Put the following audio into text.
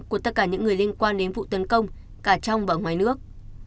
của tất cả những người liên quan đến vụ tấn công cả trong và ngoài nước